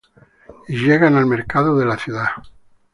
Y llegan al mercado de la ciudad.